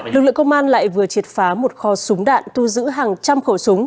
lực lượng công an lại vừa triệt phá một kho súng đạn thu giữ hàng trăm khẩu súng